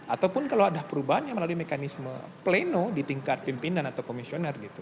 ataupun kalau ada perubahan yang melalui mekanisme pleno di tingkat pimpinan atau komisioner gitu